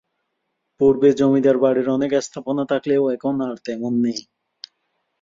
পূর্বে জমিদার বাড়ির অনেক স্থাপনা থাকলেও এখন আর তেমন নাই।